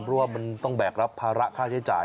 เพราะว่ามันต้องแบกรับภาระค่าใช้จ่าย